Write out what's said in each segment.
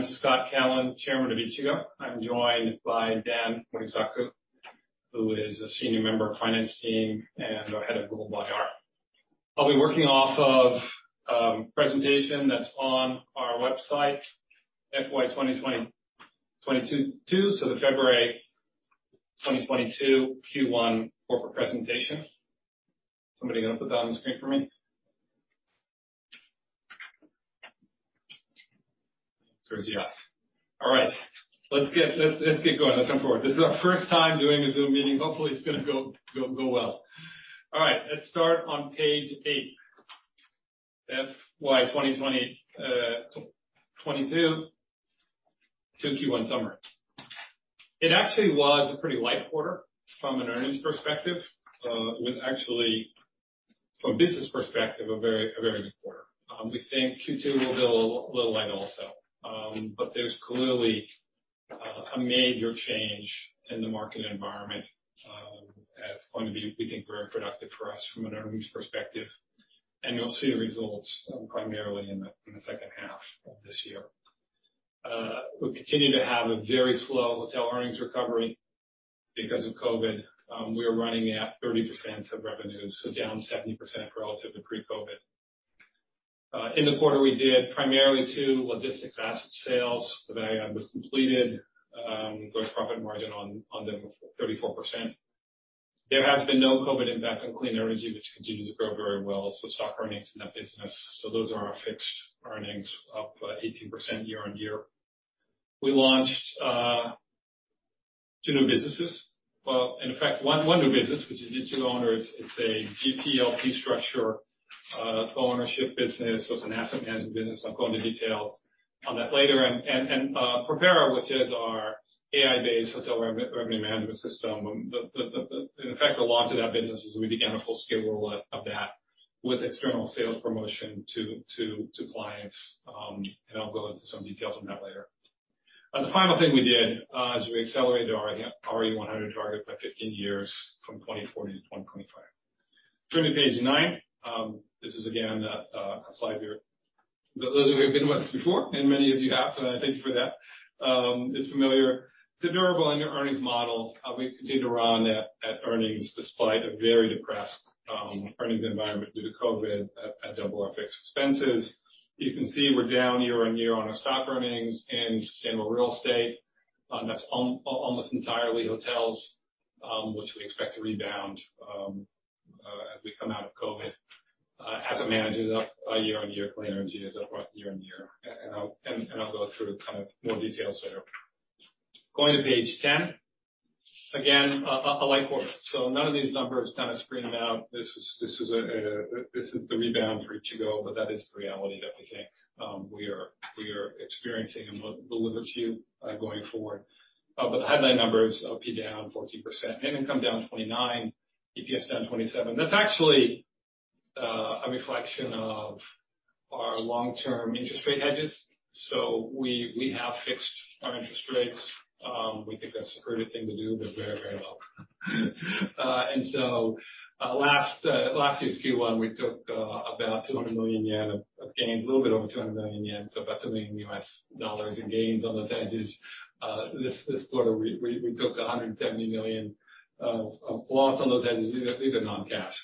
Hi, everybody. I'm Scott Callon, Chairman of Ichigo. I'm joined by Dan Morisaku, who is a Senior Member of Finance Team and our Head of Global IR. I'll be working off of a presentation that's on our website, FY 2022, so the February 2022 Q1 Corporate Presentation. Somebody going to put that on the screen for me? It's a yes. All right. Let's get going. Let's jump forward. This is our first time doing a Zoom meeting. Hopefully, it's going to go well. All right. Let's start on page eight, FY 2022 Q1 summary. It actually was a pretty light quarter from an earnings perspective. From a business perspective, a very good quarter. We think Q2 will be a little light also. There's clearly a major change in the market environment that's going to be, we think, very productive for us from an earnings perspective. You'll see results primarily in the second half of this year. We continue to have a very slow hotel earnings recovery because of COVID. We are running at 30% of revenue, so down 70% relative to pre-COVID. In the quarter, we did primarily two logistics asset sales. The deal was completed. Gross profit margin on them, 34%. There has been no COVID impact on clean energy, which continues to grow very well. Stock earnings in that business. Those are our fixed earnings, up 18% year-on-year. We launched two new businesses. Well, in fact, one new business, which is Ichigo Owners. It's a GP LP structure, ownership business. It's an asset management business. I'll go into details on that later. PROPERA, which is our AI-based hotel revenue management system. In effect, a lot of that business is we began a full scale rollout of that with external sales promotion to clients. I'll go into some details on that later. The final thing we did is we accelerated our RE100 target by 15 years from 2040-2025. Turning to page nine. This is, again, a slide we've given once before, and many of you have, so thank you for that. It's familiar. It's a durable and earnings model. We continue to run at earnings despite a very depressed earnings environment due to COVID at double our fixed expenses. You can see we're down year-on-year on our stock earnings and sustainable real estate. That's almost entirely hotels, which we expect to rebound as we come out of COVID. Asset management up year-on-year. Clean energy is up year-on-year. I'll go through more details there. Going to page 10. Again, a light quarter. None of these numbers kind of scream out, this is the rebound for Ichigo. But that is the reality that we think we are experiencing and will deliver to you going forward. The headline numbers, OP down 14%. Income down 29%. EPS down 27%. That's actually a reflection of our long-term interest rate hedges. We have fixed our interest rates. We think that's a great thing to do. We're very, very happy. Last year's Q1, we took about 200 million yen of gains, a little bit over 200 million yen, so about $2 million in gains on those hedges. This quarter, we took 170 million of loss on those hedges. These are non-cash,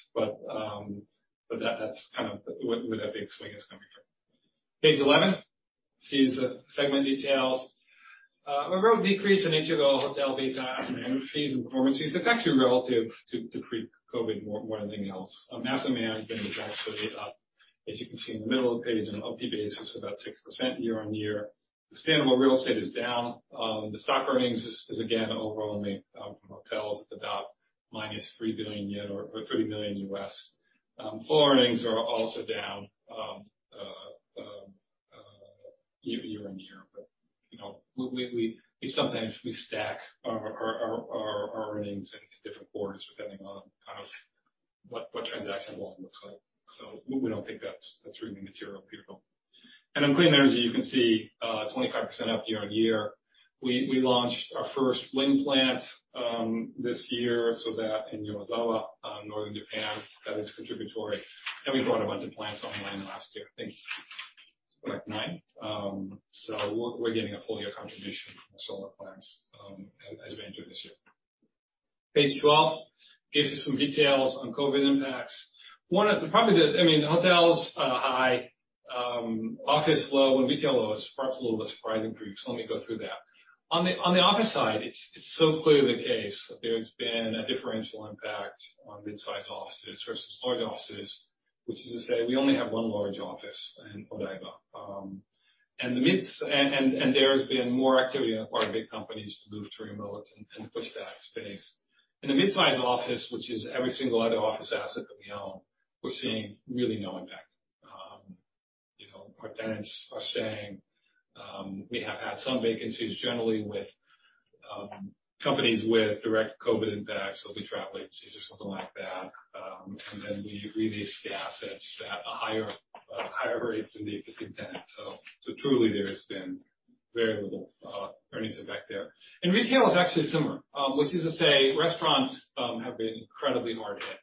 but that's where that big swing is coming from. Page 11. Here's the segment details. Overall decrease in Ichigo hotel, base management fees and performance fees. It's actually relative to the pre-COVID more than anything else. Asset management is actually up, as you can see in the middle of the page, on an OP basis, so about 6% year-on-year. Sustainable real estate is down. The stock earnings is again overwhelmingly hotels, about -3 billion yen or $30 million. Core earnings are also down year-on-year. We sometimes stack our earnings into different quarters depending on what transaction volume looks like. We don't think that's really material here. In clean energy, you can see 25% up year-on-year. We launched our first wind plant this year, so that in Yonezawa, Northern Japan, that is contributory. We brought a bunch of plants online last year, I think nine. We're getting a full year contribution from our solar plants as of end of this year. Page 12 gives you some details on COVID impacts. Hotels, office low, retail low is perhaps a little bit surprising for you. Let me go through that. On the office side, it's so clearly the case that there's been a differential impact on mid-sized offices versus large offices, which is to say we only have one large office in Odaiba. There's been more activity on part of big companies to move to remote and push that space. In a mid-sized office, which is every single other office asset that we own, we're seeing really no impact. Our tenants are saying we have had some vacancies, generally with companies with direct COVID impacts, heavy travel agencies or something like that. We re-lease the assets at a higher rate than they could contend. Truly there's been variable earnings effect there. Retail is actually similar, which is to say restaurants have been incredibly hard hit.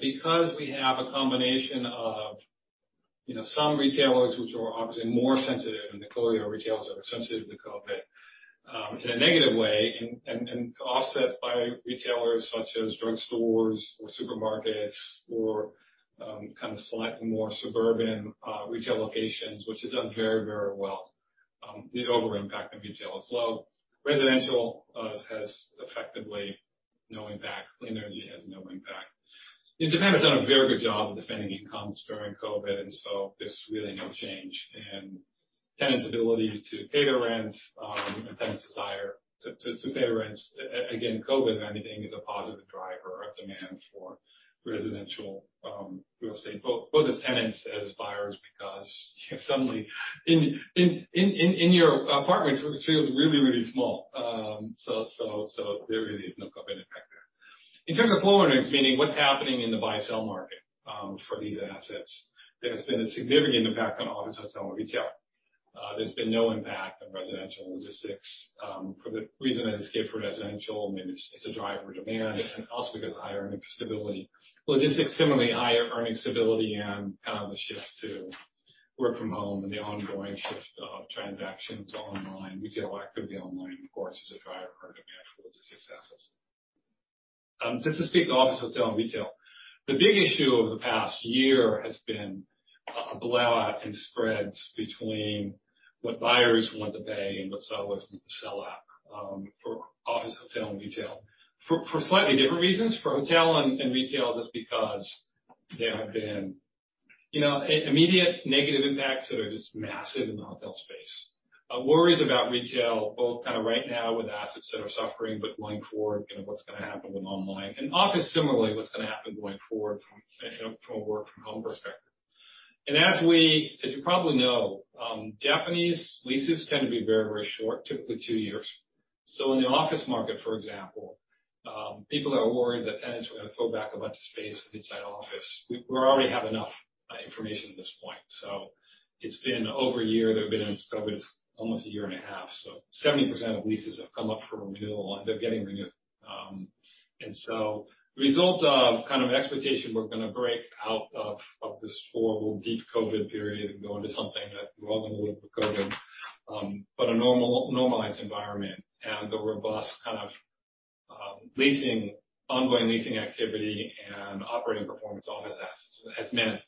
Because we have a combination of some retailers which are obviously more sensitive, and the corona retailers that are sensitive to COVID in a negative way, and offset by retailers such as drugstores or supermarkets or slightly more suburban retail locations, which have done very well, the overall impact of retail is low. Residential has effectively no impact. Clean energy has no impact. Japan has done a very good job of defending incomes during COVID, and so there's really no change in tenants' ability to pay rent and tenants' desire to pay rent. COVID, if anything, is a positive driver of demand for residential real estate, both as tenants, as buyers, because if suddenly in your apartment, it feels really small. There really is no COVID effect there. In terms of forward earnings, meaning what's happening in the buy-sell market for these assets, there's been a significant impact on office, hotel, and retail. There's been no impact on residential logistics. For the reason I gave for residential, I mean, it's a driver demand and also because higher earnings stability. Logistics, similarly, higher earnings stability and the shift to work from home and the ongoing shift of transactions online, retail activity online, of course, is a driver of demand for logistics assets. Just to speak to office, hotel, and retail. The big issue over the past year has been a blowout in spreads between what buyers want to pay and what sellers want to sell at for office, hotel, and retail. For slightly different reasons. For hotel and retail, that's because there have been immediate negative impacts that are just massive in the hotel space. Worries about retail, both right now with assets that are suffering, but going forward, what's going to happen with online. Office, similarly, what's going to happen going forward from a work from home perspective. As you probably know, Japanese leases tend to be very short, typically two years. In the office market, for example, people are worried that tenants are going to pull back a bunch of space inside office. We already have enough information at this point. It's been over a year they've been in COVID. It's almost a year and a half. 70% of leases have come up for renewal, and they're getting renewed. The result of expectation, we're going to break out of this horrible deep COVID period and go into something that we all hope will be COVID, but a normalized environment. The robust ongoing leasing activity and operating performance office assets has meant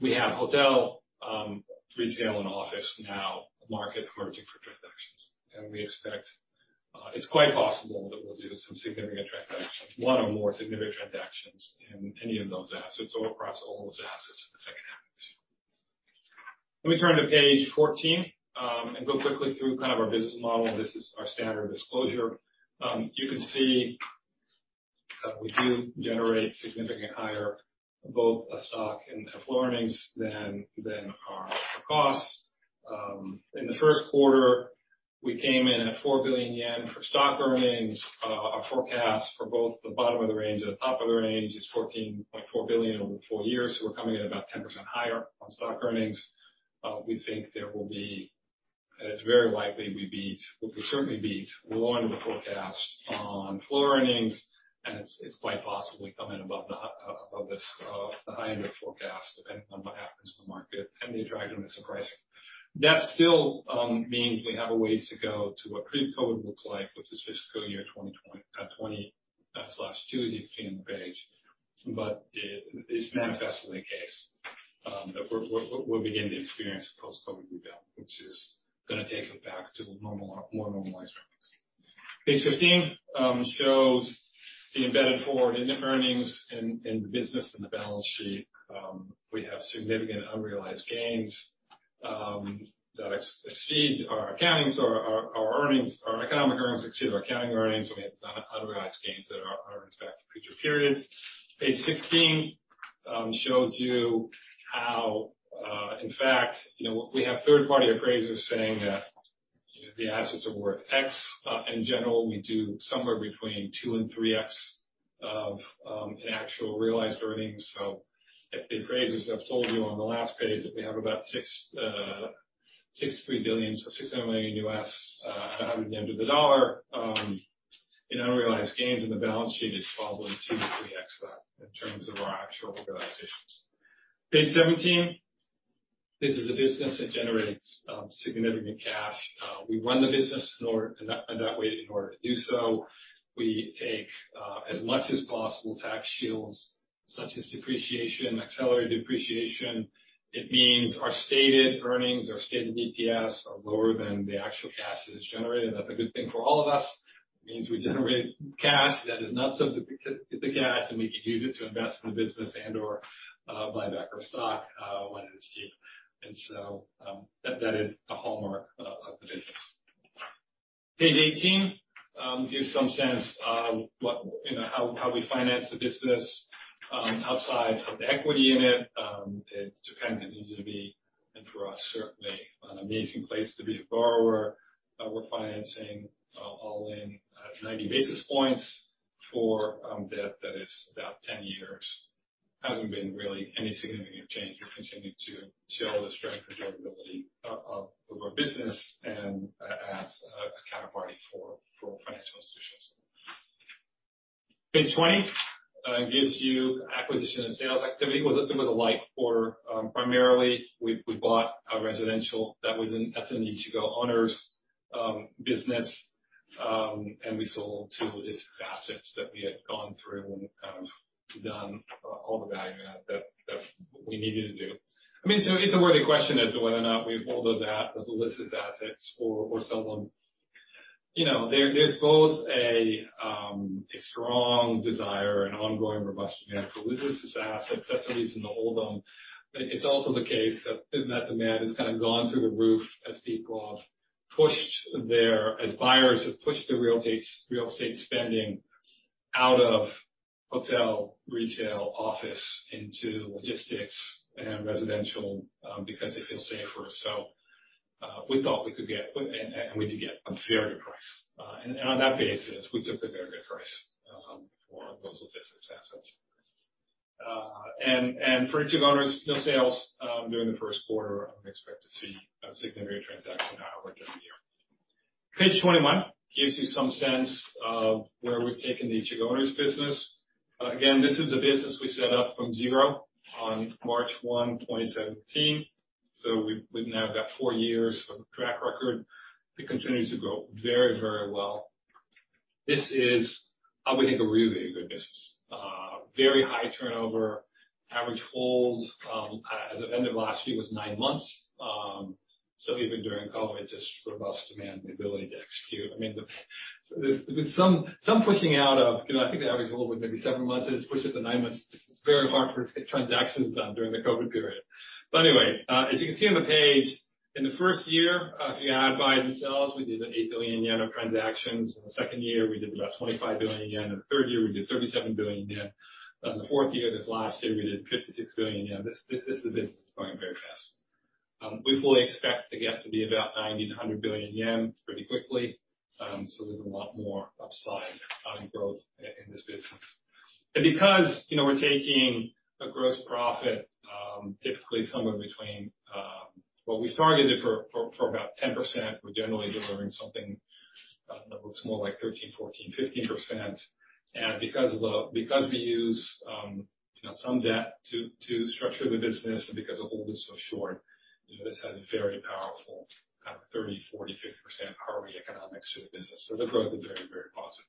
we have hotel, retail, and office now market emerging for transactions. We expect it's quite possible that we'll do some significant transactions, one or more significant transactions in any of those assets or across all those assets in the second half. Let me turn to page 14 and go quickly through our business model. This is our standard disclosure. You can see that we do generate significantly higher both of stock and FAD earnings than our costs. In the first quarter, we came in at 4 billion yen for stock earnings. Our forecast for both the bottom of the range and the top of the range is 14.4 billion over four years. We're coming in about 10% higher on stock earnings. We think it's very likely we'll certainly beat or be in the forecast on flow earnings, and it's quite possible we come in above the high-end forecast, depending on what happens in the market and any driver that surprises. That still means we have a ways to go to what pre-COVID looked like, which was fiscal year 2020/2022, as you can see on the page. It's manifestly the case that we're beginning to experience post-COVID rebound, which is going to take it back to more normalized earnings. Page 15 shows the embedded forward earnings in the business and the balance sheet. We have significant unrealized gains that exceed our accounting. Our economic earnings exceed our accounting earnings. We have unrealized gains that are going to affect future periods. Page 16 shows you how, in fact, we have third-party appraisers saying that the assets are worth x. In general, we do somewhere between 2 and 3x of actual realized earnings. The appraisers have told you on the last page that we have about 63 billion, so $600 million rounded down to the dollar in unrealized gains, and the balance sheet is probably 2-3x that in terms of our actual realized gains. Page 17. This is a business that generates significant cash. We run the business in that way. In order to do so, we take as much as possible tax shields such as depreciation, accelerated depreciation. It means our stated earnings, our stated EPS, are lower than the actual cash that's generated. That's a good thing for all of us. It means we generate cash that is not subject to tax, and we can use it to invest in the business and/or buy back our stock when it's cheap. That is the hallmark of the business. Page 18 gives some sense how we finance the business outside of the equity in it. Japan continues to be, and for us, certainly an amazing place to be a borrower. We're financing all-in at 90 basis points for debt that is about 10 years. Hasn't been really any significant change. We continue to see all the strength and durability of our business and as a category for financial institutions. Page 20 gives you acquisition and sales activity. It was a light quarter. Primarily, we bought a residential that was an Ichigo Owners business, and we sold two listed assets that we had gone through and done all the value add that we needed to do. It's a worthy question as to whether or not we hold those as listed assets or sell them. There's both a strong desire and ongoing robust demand for listed assets. That's a reason to hold them. It's also the case that demand has gone through the roof as buyers have pushed the real estate spending out of hotel, retail, office into logistics and residential because it feels safer. We thought we could get, and we did get a very good price. On that basis, we took the very good price for those listed assets. For Ichigo Owners, no sales during the 1st quarter. I would expect to see significant transaction out of here. Page 21 gives you some sense of where we've taken the Ichigo Owners business. Again, this is a business we set up from zero on March 1, 2017. We now have four years of track record that continues to go very, very well. This is, I would think, a really good business. Very high turnover. Average hold as of end of last year was nine months. Even during COVID, just robust demand and the ability to execute. There's some pushing out of, I think the average hold was maybe seven months. It's pushed to nine months. It's very hard for us to get transactions done during the COVID period. Anyway, as you can see on the page, in the first year, if you add buys and sells, we did 8 billion yen of transactions. The second year, we did about 25 billion yen. The third year, we did 37 billion yen. The fourth year, this last year, we did 56 billion yen. This is a business growing very fast. We fully expect to get to be about 90 billion-100 billion yen pretty quickly. There's a lot more upside growth in this business. Because we're taking a gross profit, typically somewhere between what we targeted for about 10%, we're generally delivering something that looks more like 13%, 14%, 15%. Because we use some debt to structure the business and because the hold is so short, this has very powerful 30%, 40%, 50% carry economics to the business. The growth is very, very positive.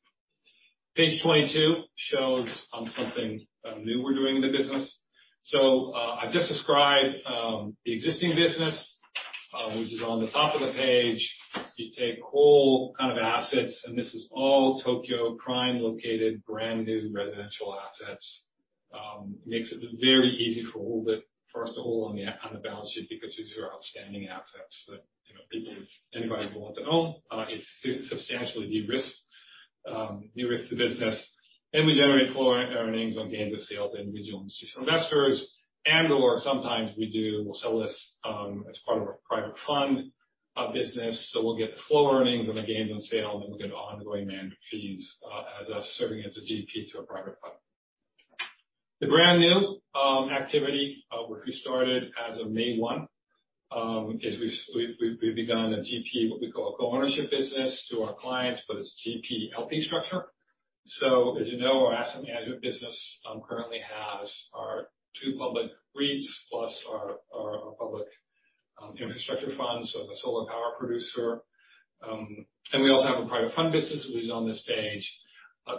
Page 22 shows something new we're doing in the business. I've just described the existing business, which is on the top of the page. You take whole assets. This is all Tokyo prime located, brand new residential assets. Makes it very easy for us to hold on the balance sheet because these are outstanding assets that anybody would want their own. It substantially de-risks the business. We generate full earnings on gains of sale to institutional investors and/or sometimes we do sell this as part of our private fund business. We'll get full earnings on the gains on sale, and we'll get ongoing management fees as us serving as a GP to a private fund. The brand new activity, which we started as of May 1, is we've begun a GP, what we call a co-ownership business to our clients. It's a GP LP structure. As you know, our asset management business currently has our two public REITs plus our public infrastructure fund, the solar power producer. We also have a private fund business, which is on this page.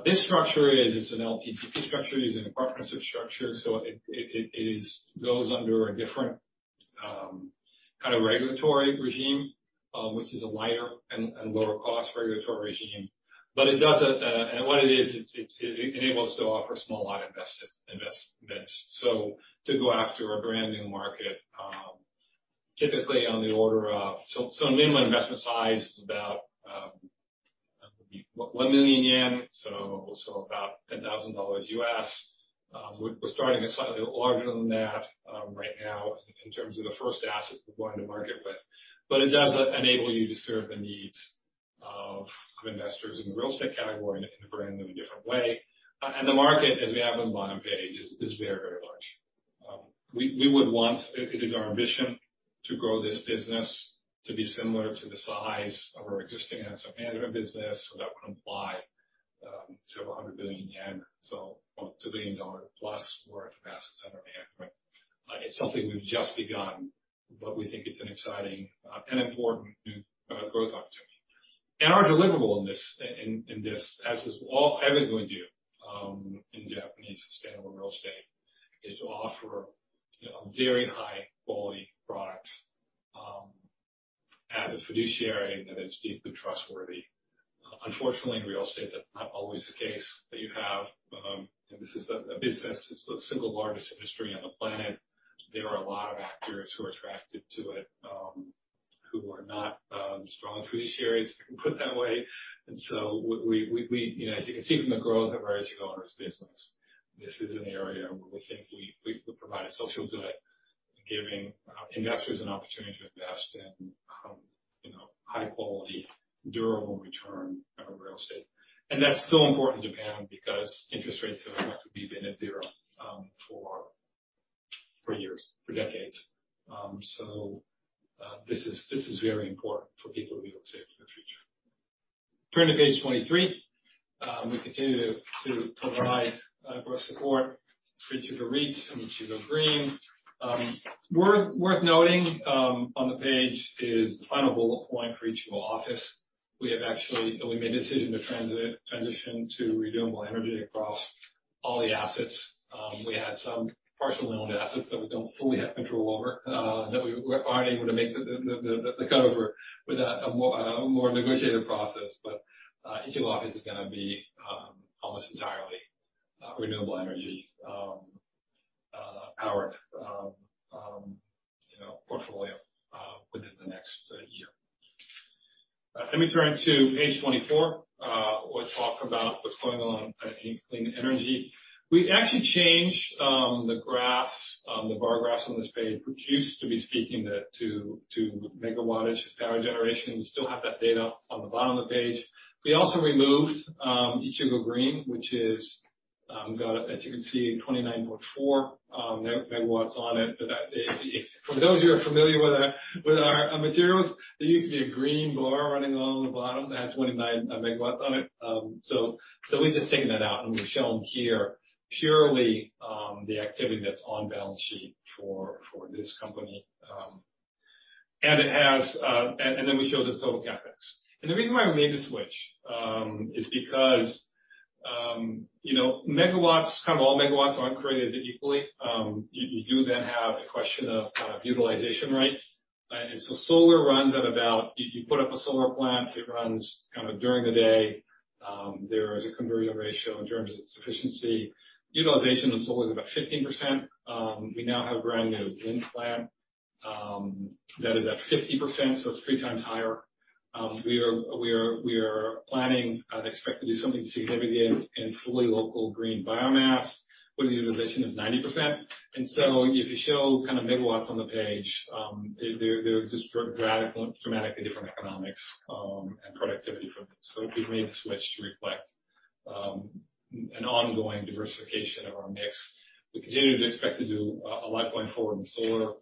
This structure is an LP GP structure, is a partnership structure. It goes under a different regulatory regime, which is a lighter and lower cost regulatory regime. What it is, it enables to offer small investments to go after a brand new market. Typically, on the order of, minimum investment size is about 1 million yen, about $10,000. We're starting slightly larger than that right now in terms of the first asset we're going to market with. It does enable you to serve the needs of investors in the real estate category in a brand new, different way. The market, as we have on the bottom of the page, is very large. It is our ambition to grow this business to be similar to the size of our existing asset management business. That would imply to 100 billion yen, JPY +1 billion worth of assets under management. It's something we've just begun, but we think it's an exciting and important growth opportunity. Our deliverable in this, as is everything we do in Japanese sustainable real estate, is to offer a very high-quality product as a fiduciary that is deeply trustworthy. Unfortunately, in real estate, that's not always the case. This is a business that's the single largest industry on the planet. There are a lot of actors who are attracted to it, who are not strong fiduciaries, if you put it that way. You can see from the growth of our Ichigo Owners business, this is an area where we think we provide a social good. Giving investors an opportunity to invest in high-quality, durable return out of real estate. That's so important to Japan because interest rates have effectively been at zero for years, for decades. This is very important for people who invest in the future. Turning to page 23. We continue to provide our support through Ichigo REIT and Ichigo Green. Worth noting on the page is the plan of renewable energy for Ichigo Office. We made a decision to transition to renewable energy across all the assets. We had some partially owned assets that we don't fully have control over, that we were unable to make the cut over. A more negotiated process, Ichigo Office is going to be almost entirely renewable energy powered portfolio within the next one year. Let me turn to page 24. We'll talk about what's going on in clean energy. We actually changed the bar graphs on this page, which used to be speaking to MW of power generation. We still have that data on the bottom of the page. We also removed Ichigo Green, which is, as you can see, 29.4 MW on it. For those of you who are familiar with our materials, there used to be a green bar running along the bottom that had 29 MW on it. We just taken that out and we show them here purely the activity that's on balance sheet for this company. Then we show the total CapEx. The reason why we made the switch is because all megawatts aren't created equally. You do then have the question of utilization rate. Solar runs at about, if you put up a solar plant, it runs during the day. There is a conversion ratio in terms of its efficiency. Utilization of solar is about 15%. We now have a brand-new wind plant that is at 50%, so it's three times higher. We are planning and expect to do something significant in fully local green biomass where the utilization is 90%. If you show megawatts on the page, there's just dramatically different economics and productivity from it. We made the switch to reflect an ongoing diversification of our mix. We continue to expect to do a lot going forward in solar.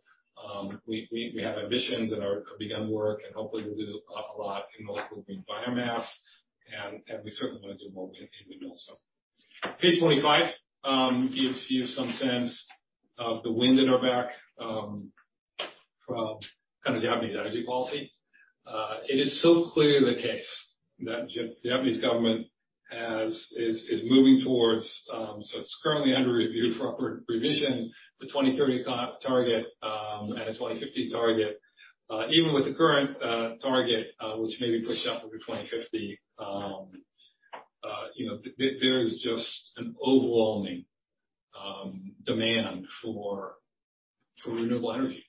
We have additions and are beginning work. Hopefully we'll do a lot in local green biomass. We certainly like to do more with renewables. Page 25 gives you some sense of the wind at our back from Japanese energy policy. It is so clearly the case that the Japanese government is moving. It's currently under review for revision, the 2030 target and 2050 target. Even with the current target, which may be pushed out to 2050, there is just an overwhelming demand for renewable energy.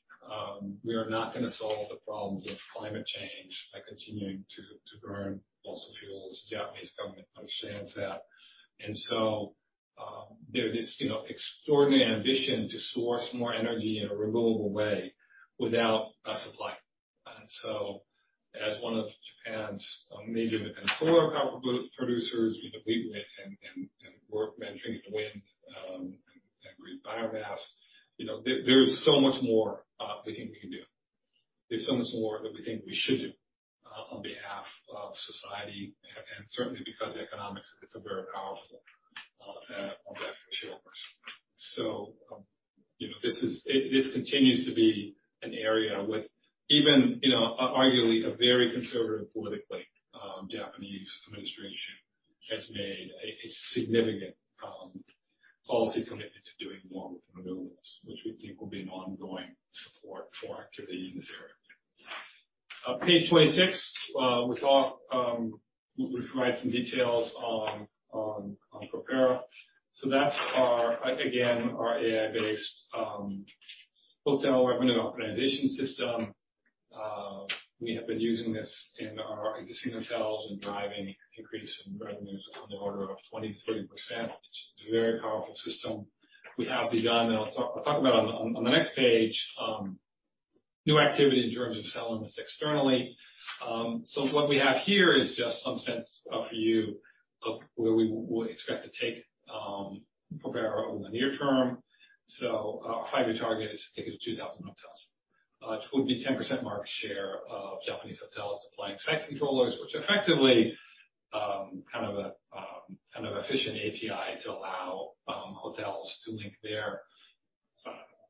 We are not going to solve the problems of climate change by continuing to burn fossil fuels. The Japanese government understands that. There is extraordinary ambition to source more energy in a renewable way without sacrificing. As one of Japan's major solar power producers, we compete and work mainly in wind and green biomass. There is so much more we think we can do. There's so much more that we think we should do on behalf of society, and certainly because economics is a very powerful lever for shareholders. This continues to be an area with even, arguably, a very conservative politically Japanese administration has made a significant policy commitment to doing more with renewables, which we think will be an ongoing support for activity in this area. Page 26, we provide some details on PROPERA. That's, again, our AI-based hotel revenue optimization system. We have been using this in our existing hotels and driving increases in revenues on the order of 23%, which is a very powerful system. We have begun, I'll talk about it on the next page, new activity in terms of selling this externally. What we have here is just some sense for you of where we expect to take PROPERA over the near term. Our five-year target is to take it to 2,000 hotels. It would be a 10% market share of Japanese hotels supplying site controllers, which effectively, an efficient API to allow hotels to link their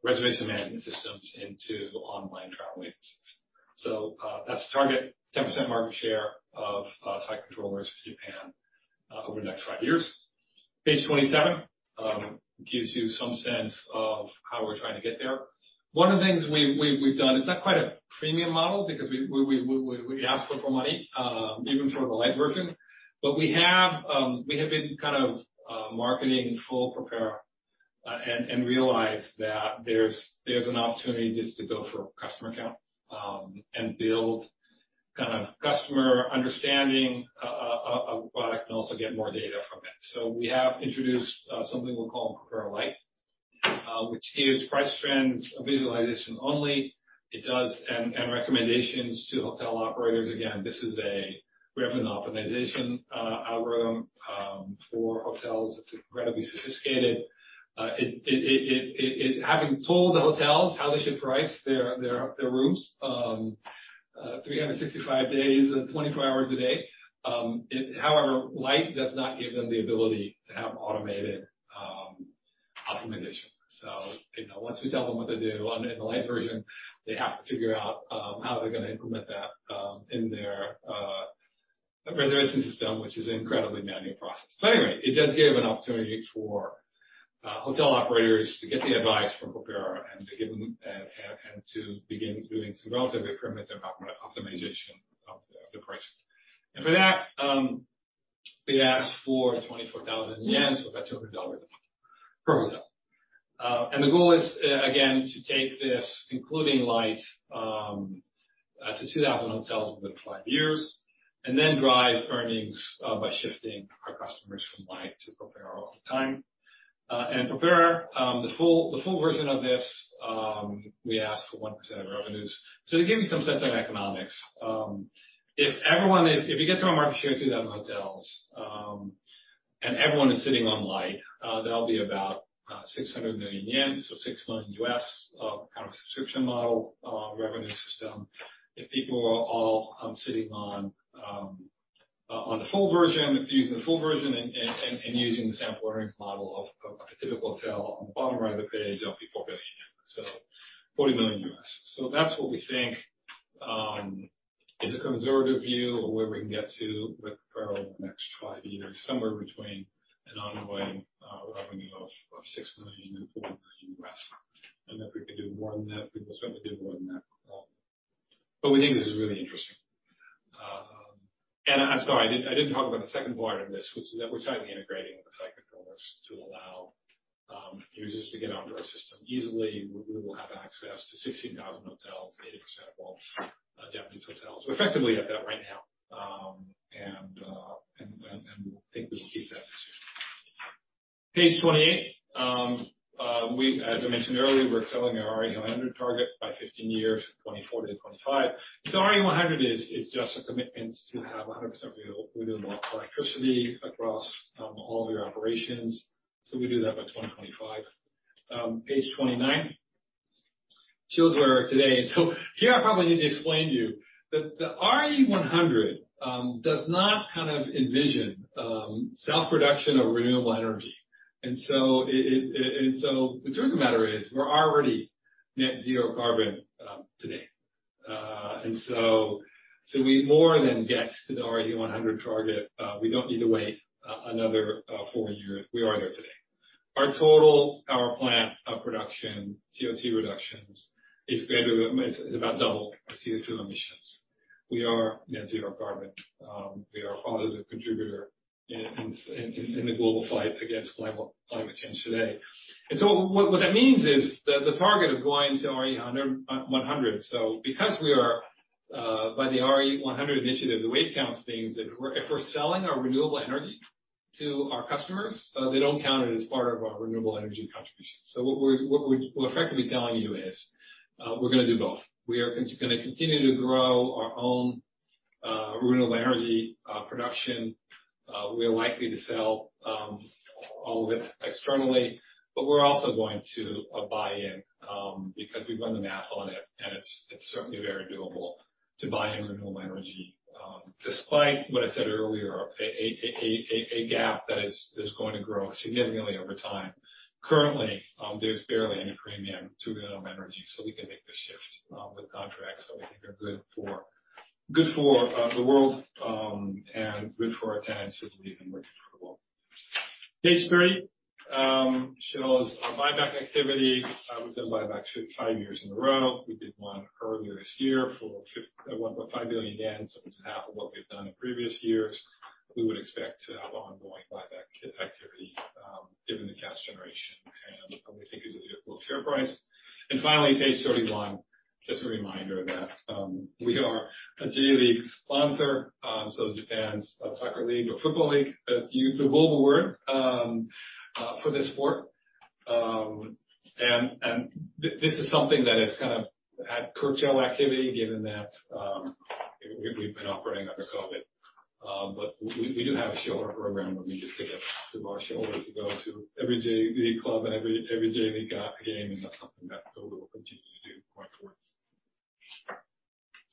reservation management systems into online travel agencies. That's the target, 10% market share of site controllers in Japan over the next five years. Page 27 gives you some sense of how we're trying to get there. One of the things we've done is not quite a freemium model because we ask for money even for the Lite version. We have been marketing full PROPERA and realized that there's an opportunity just to build for a customer count and build kind of customer understanding of a product and also get more data from it. We have introduced something we call PROPERA Lite, which is price trends visualization only. It does end recommendations to hotel operators. Again, we have an optimization algorithm for hotels. It's incredibly sophisticated. Having told the hotels how they should price their rooms, 365 days and 24 hours a day. However, Light does not give them the ability to have automated optimization. Once we tell them what to do in the Light version, they have to figure out how they're going to implement that in their reservation system, which is an incredibly manual process. Anyway, it does give an opportunity for hotel operators to get the advice from PROPERA and to begin doing some relatively primitive optimization of the pricing. For that, we ask for 24,000 yen, so about $200 a month per hotel. The goal is, again, to take this, including Light, to 2,000 hotels within five years, and then drive earnings by shifting our customers from Light to PROPERA over time. PROPERA, the full version of this, we ask for 1% of revenues. To give you some sense of economics, if you get to a market share of 2,000 hotels, and everyone is sitting on Light, that'll be about 600 million yen, so $6 million, kind of a subscription model revenue system. If people are all sitting on the full version, if they're using the full version and using the sample earnings model of a typical hotel on the bottom right of the page, that'll be JPY 4 billion. $40 million. That's what we think is a conservative view of where we can get to with PROPERA over the next five years, somewhere between an ongoing revenue of $6 million and $4 million. If we can do more than that, we will certainly do more than that. We think this is really interesting. I'm sorry, I didn't talk about the second part of this, which is that we're tightly integrating with the site controllers to allow users to get onto our system easily. We will have access to 16,000 hotels, 80% of all Japanese hotels. We're effectively at that right now. We think we will keep that this year. Page 28. As I mentioned earlier, we're accelerating our RE100 target by 15 years, 2024 to 2025. RE100 is just a commitment to have 100% renewable electricity across all of your operations. We do that by 2025. Page 29 shows where we are today. Here I probably need to explain to you that the RE100 does not kind of envision self-production of renewable energy. The truth of the matter is we're already net zero carbon today. We more than get to the RE100 target. We don't need to wait another four years. We are there today. Our total power plant production, CO2 reductions, is about double our CO2 emissions. We are net zero carbon. We are a positive contributor in the global fight against climate change today. What that means is that the target of going to RE100, so because we are by the RE100 initiative, the way it counts things, if we're selling our renewable energy to our customers, they don't count it as part of our renewable energy contribution. What we're effectively telling you is we're going to do both. We are going to continue to grow our own renewable energy production. We are likely to sell all of it externally, but we're also going to buy in because we've run the math on it, and it's certainly very doable to buy in renewable energy. Despite what I said earlier, a gap that is going to grow significantly over time. Currently, there's barely any premium to renewable energy, so we can make the shift with contracts that we think are good for the world and good for our tenants who believe in working for the world. Page 30 shows our buyback activity. We've done buyback five years in a row. We did one earlier this year for 1.5 billion yen, so it's half of what we've done in previous years. We would expect to have ongoing buyback activity given the cash generation and what we think is a beautiful share price. Finally, page 31, just a reminder that we are a J.League sponsor so Japan's soccer league or football league, to use the global word for this sport. This is something that has kind of had curtail activity given that we've been operating under COVID. We do have a shareholder program where we give tickets to our shareholders to go to every J.League club and every J.League game, and that's something that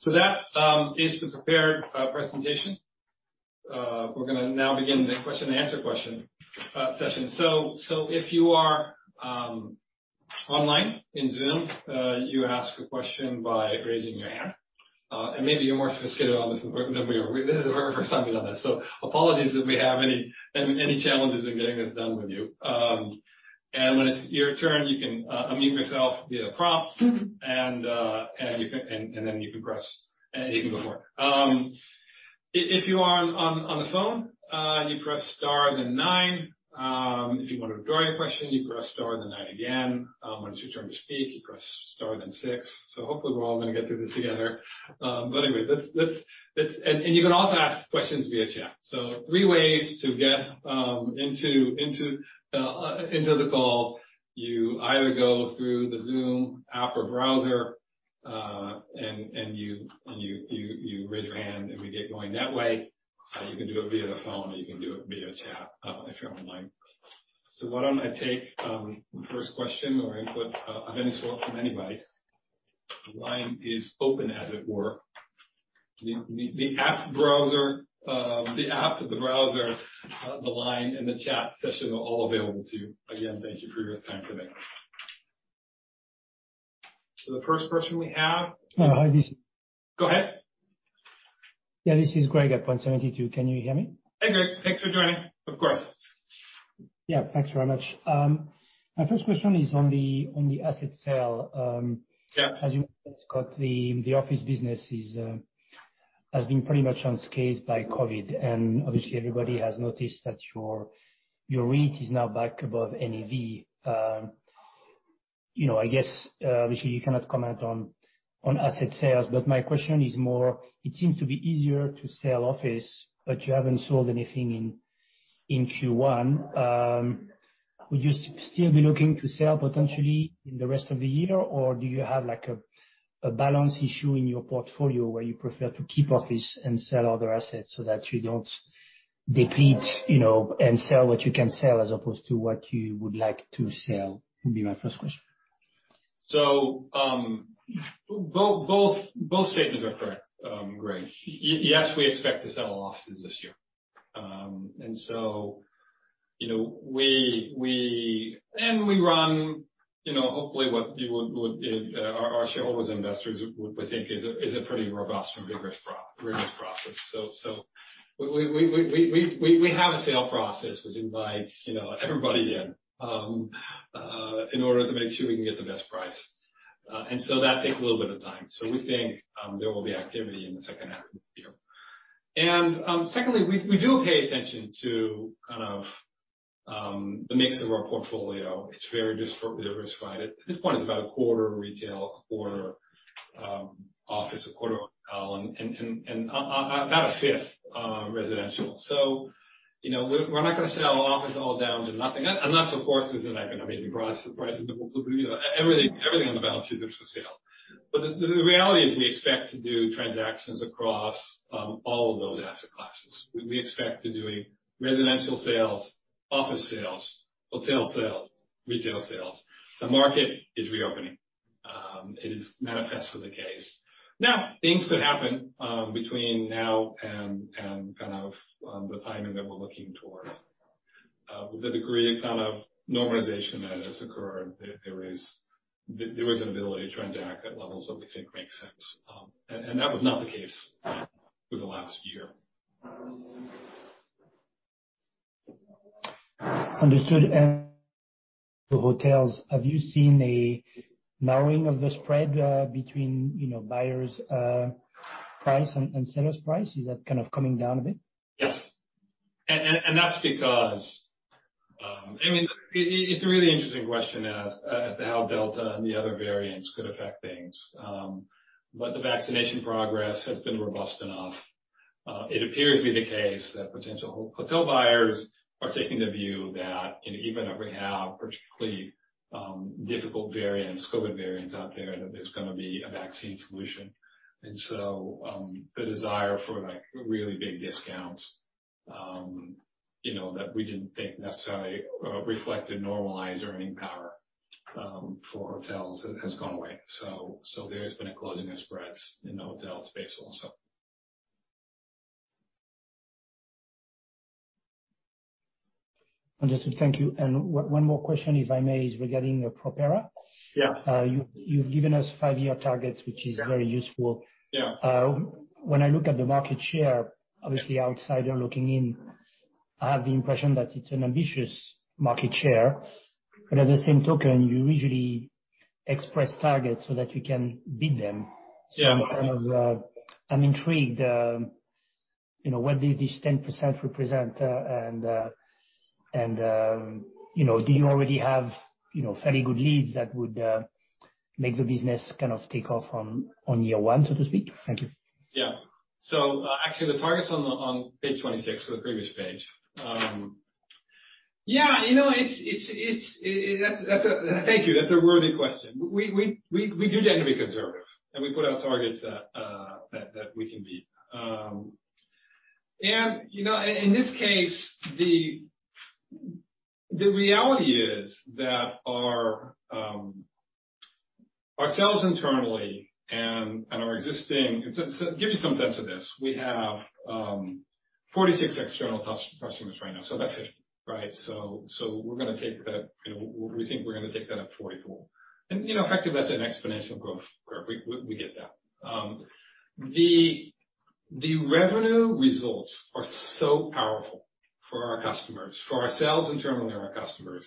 we will continue to do going forward. That is the prepared presentation. We're going to now begin the question and answer session. If you are online in Zoom, you ask a question by raising your hand. Maybe you're more sophisticated on this than we are. We're assigning on this. Apologies if we have any challenges in getting this done with you. When it's your turn, you can unmute yourself via the prompts, and then you can go forward. If you are on the phone, you press star then nine. If you want to join a question, you press star then nine again. Once you turn to speak, you press star then six. Hopefully we're all going to get through this together. You can also ask questions via chat. Three ways to get into the call. You either go through the Zoom app or browser, and you raise your hand and we get going that way. You can do it via phone or you can do it via chat if you're online. Why don't I take the first question or input or any question from anybody? The line is open, as it were. The app, the browser, the line, and the chat session are all available to you. Again, thank you for your time today. The first question we have. Hi. Go ahead. Yeah, this is Greg at Point72. Can you hear me? Hey, Greg. Thanks for joining. Of course. Yeah, thanks very much. My first question is on the asset sale. Yeah. As you know, Scott, the office business has been pretty much unscathed by COVID, and obviously everybody has noticed that your REIT is now back above NAV. I guess, obviously you cannot comment on asset sales, but my question is more, it seems to be easier to sell office, but you haven't sold anything in Q1. Would you still be looking to sell potentially in the rest of the year, or do you have a balance issue in your portfolio where you prefer to keep office and sell other assets so that you don't deplete, and sell what you can sell as opposed to what you would like to sell? Would be my first question. Both statements are correct, Greg. Yes, we expect to sell offices this year. We run, hopefully what our shareholders and investors would think is a pretty robust and rigorous process. We have a sale process, which invites everybody in order to make sure we can get the best price. That takes a little bit of time. We think there will be activity in the second half of the year. Secondly, we do pay attention to the mix of our portfolio. It's very diversified. At this point, it's about a 1/4 retail, a 1/4 office, a 1/4 hotel, and about a 1/5 residential. We're not going to sell office all down to nothing, unless of course there's an amazing price. Everything on the balance sheet is for sale. The reality is we expect to do transactions across all of those asset classes. We expect to be doing residential sales, office sales, hotel sales, retail sales. The market is reopening. It is manifestly the case. Now, things could happen between now and the timing that we are looking towards. With the degree of normalization that has occurred, there is an ability to transact at levels that we think make sense. And that was not the case for the last year. Understood. The hotels, have you seen a narrowing of the spread between buyer's price and seller's price? Is that coming down a bit? Yes. That's because... It's a really interesting question as to how Delta and the other variants could affect things. The vaccination progress has been robust enough. It appears to be the case that potential hotel buyers are taking the view that even if we have particularly difficult COVID variants out there's going to be a vaccine solution. The desire for really big discounts that we didn't think necessarily reflected normalized earning power for hotels has gone away. There's been a closing of spreads in the hotel space also. Understood. Thank you. One more question, if I may, is regarding PROPERA. Yeah. You've given us five-year targets, which is very useful. Yeah. When I look at the market share, obviously, outsider looking in, I have the impression that it's an ambitious market share. At the same token, you usually express targets so that you can beat them. Yeah. I'm intrigued, what did this 10% represent, and do you already have fairly good leads that would make the business take off on year one, so to speak? Thank you. Actually the targets on page 26, the previous page. Thank you. That's a worthy question. We do tend to be conservative, and we put out targets that we can beat. In this case, the reality is that ourselves internally. To give you some sense of this, we have 46 external customers right now. That's it, right? We think we're going to take that to 44. Effective, that's an exponential growth rate. We get that. The revenue results are so powerful for our customers. For ourselves internally and our customers.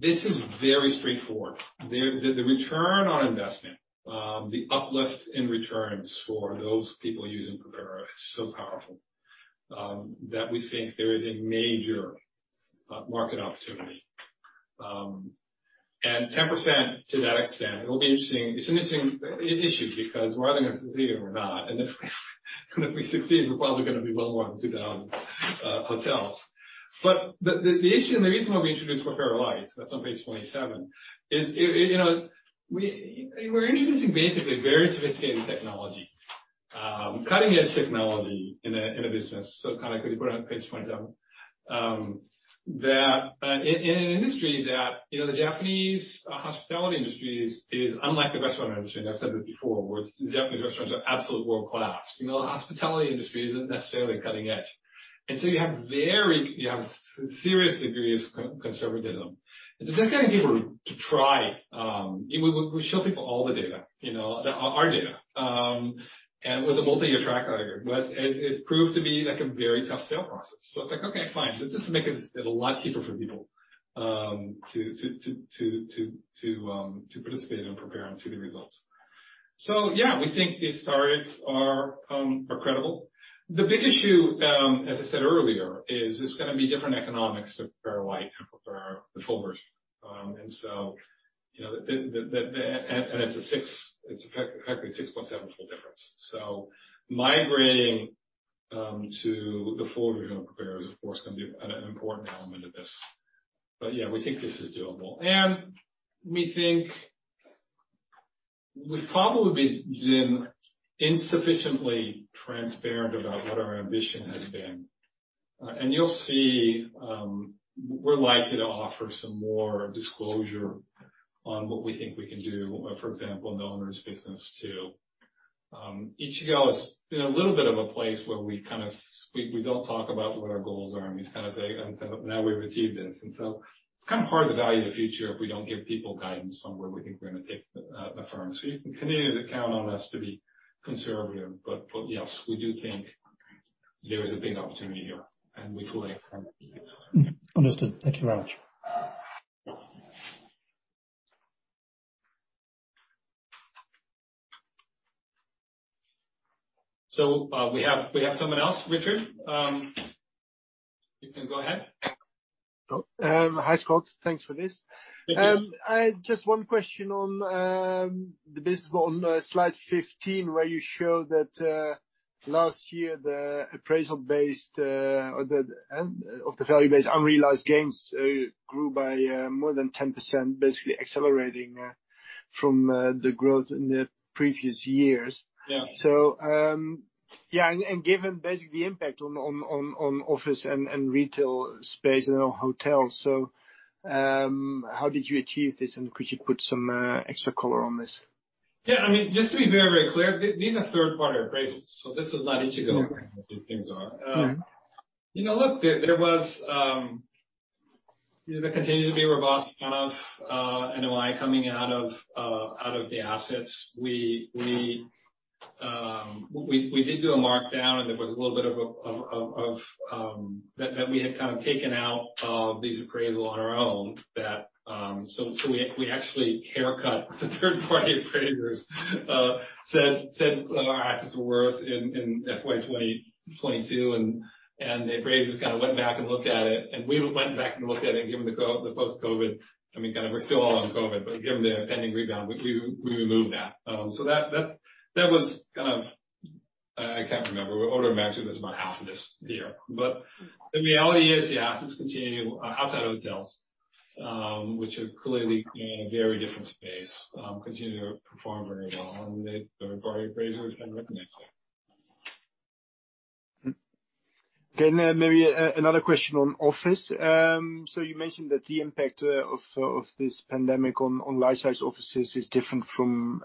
This is very straightforward. The return on investment, the uplift in returns for those people using PROPERA is so powerful, that we think there is a major market opportunity. 10% to that extent, it'll be interesting. It's an interesting issue because we're either going to succeed or we're not. If we succeed, we're probably going to be well more than 2,000 hotels. The issue, the reason why we introduced PROPERA Light, that's on page 27, is we're introducing basically very sophisticated technology, cutting-edge technology in a business. If you go to page 27. That in an industry that, the Japanese hospitality industry is unlike the restaurant industry. I've said it before, where the Japanese restaurants are absolute world-class. The hospitality industry isn't necessarily cutting edge. You have serious degrees of conservatism. It's not going to get people to try. We show people all the data, our data. With the multi-year track record, but it proved to be a very tough sale process. It's like, okay, fine, let's just make it a lot cheaper for people to participate in PROPERA and see the results. Yeah, we think these targets are credible. The big issue, as I said earlier, is it's going to be different economics with PROPERA Light and PROPERA full version. It's effectively a 6.7-fold difference. Migrating to the full version of PROPERA is, of course, going to be an important element of this. Yeah, we think this is doable. We think we've probably been insufficiently transparent about what our ambition has been. You'll see, we're likely to offer some more disclosure on what we think we can do, for example, in the owner's business too. Ichigo is in a little bit of a place where we don't talk about what our goals are, and we say, now we've achieved this. It's hard to value the future if we don't give people guidance on where we think we're going to take the firm. You can continue to count on us to be conservative, but yes, we do think there is a big opportunity here. Understood. Thank you very much. We have someone else. Richard, you can go ahead. Hi, Scott. Thanks for this. Just one question on the business on slide 15, where you show that last year, the appraisal-based, or the value-based unrealized gains grew by more than 10%, basically accelerating from the growth in the previous years. Yeah. Given basically the impact on office and retail space and on hotels, so how did you achieve this, and could you put some extra color on this? Yeah, just to be very, very clear, these are third-party appraisals. This is not Ichigo saying what these things are. Yeah. There was the continued reboosting of NOI coming out of the assets. We did do a markdown, there was a little bit of That we had taken out these appraisals on our own. We actually haircut what the third-party appraisers said our assets were worth in FY 2022, the appraisers went back and looked at it, we went back and looked at it given the post-COVID. We're still out of COVID, given the pending rebound, we moved that. That was, I can't remember, automatic. It was more optimistic that year. The reality is the assets continue outside of hotels, which are clearly in a very different space, continue to perform very well, they are very appraisal and recognized well. Maybe another question on office. You mentioned that the impact of this pandemic on life-size offices is different from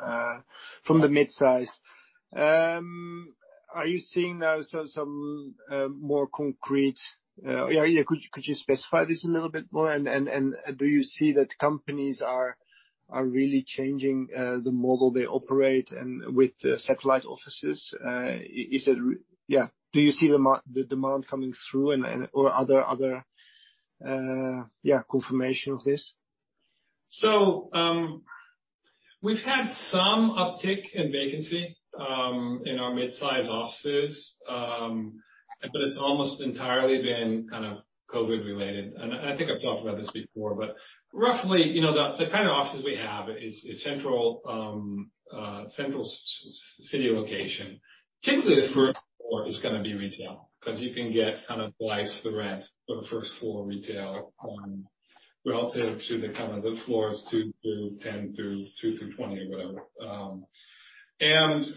the midsize. Could you specify this a little bit more? Do you see that companies are really changing the model they operate and with the satellite offices? Do you see the demand coming through and/or other confirmation of this? We've had some uptick in vacancy in our midsize offices, but it's almost entirely been COVID-related. I think I've talked about this before, but roughly, the kind of offices we have is central city location. Typically, the first floor is going to be retail, because you can get twice the rent for first-floor retail relative to the floors two through 10 through, two through 20, whatever. We